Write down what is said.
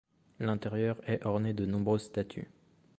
L'intérieur est orné de nombreuses statues.